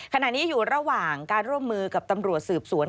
ขณะนี้อยู่ระหว่างการร่วมมือกับตำรวจสืบสวน